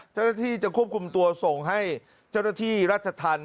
เจ้าหน้าที่จะควบคุมตัวส่งให้เจ้าหน้าที่รัชธรรม